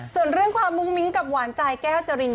ส่วนเรื่องความมุ้งมิ้งกับหวานใจแก้วจริน